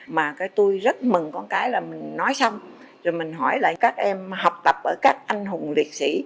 mà tôi rất mừng con cái là mình nói xong rồi mình hỏi lại các em học tập ở các anh hùng liệt sĩ